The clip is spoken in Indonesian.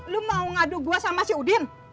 lu mau ngadu gue sama si udin